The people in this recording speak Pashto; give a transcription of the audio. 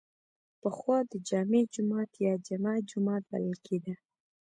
پخوا د جمعې جومات یا جمعه جومات بلل کیده.